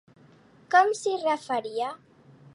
Com s'hi referia?